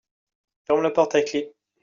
Fermer la porte à clef.